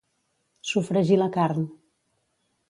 Sofregir la carn.